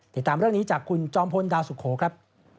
ติดตามเรื่องนี้จากคุณจอมพลดาวสุโขครับ